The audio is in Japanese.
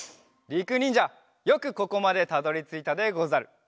りくにんじゃよくここまでたどりついたでござる。